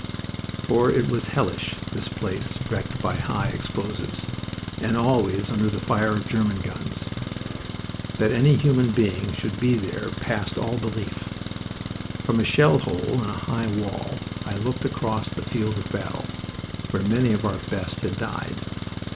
For it was hellish, this place wrecked by high explosives and always under the fire of German guns. That any human being should be there passed all belief. From a shell hole in a high wall I looked across the field of battle, where many of our best had died.